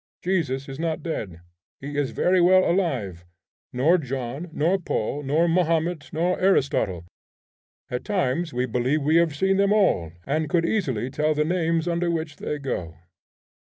Jesus is not dead; he is very well alive: nor John, nor Paul, nor Mahomet, nor Aristotle; at times we believe we have seen them all, and could easily tell the names under which they go.